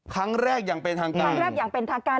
ครั้งแรกอย่างเป็นทางการครั้งแรกอย่างเป็นทางการ